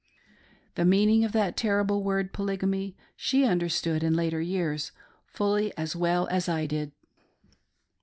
The meaning of that terrible word " Polygamy " she under stood, in later years, fully as well as I did.